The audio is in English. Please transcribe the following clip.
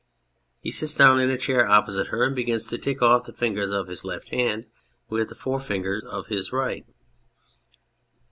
(He sits down in a chair opposite her and begins to tick off the ^fingers of his left hand with the forefinger of his right.')